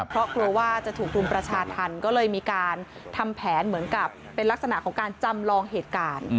เพราะกลัวว่าจะถูกรุมประชาธรรมก็เลยมีการทำแผนเหมือนกับเป็นลักษณะของการจำลองเหตุการณ์